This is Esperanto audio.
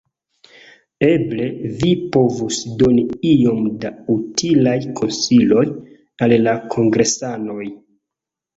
Eble vi povus doni iom da utilaj konsiloj al la kongresanoj?